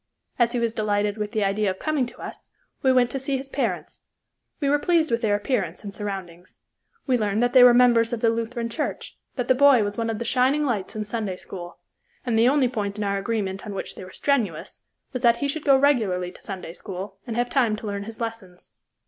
As he was delighted with the idea of coming to us, we went to see his parents. We were pleased with their appearance and surroundings. We learned that they were members of the Lutheran Church, that the boy was one of the shining lights in Sunday school, and the only point in our agreement on which they were strenuous was that he should go regularly to Sunday school and have time to learn his lessons.